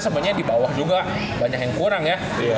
sebenernya dibawah juga banyak yang kurang ya